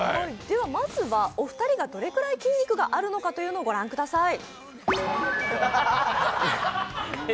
まずは、お二人がどれくらい筋肉があるのか御覧ください。